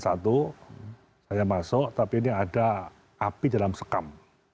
saya masuk tapi ini ada api dalam sekam